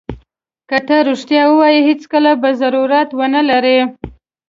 که ته رښتیا ووایې هېڅکله به ضرورت ونه لرې.